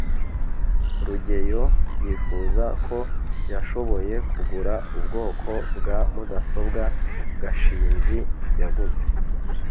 rugeyo yifuza ko yashoboye kugura ubwoko bwa mudasobwa gashinzi yaguze